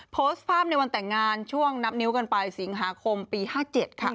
โพสต์ภาพในวันแต่งงานช่วงนับนิ้วกันไปสิงหาคมปี๕๗ค่ะ